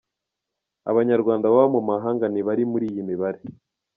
Abanyarwanda baba mu mahanga nti bari muri iyi mibare.